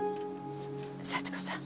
幸子さん。